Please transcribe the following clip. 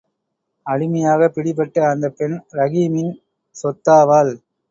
அடிமையாகப் பிடிபட்ட அந்தப் பெண் ரஹீமின் சொத்தாவாள்.